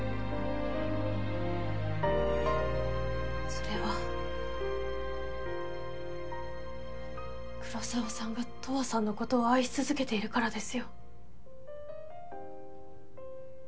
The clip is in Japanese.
それは黒澤さんが十和さんのことを愛し続けているからですよ。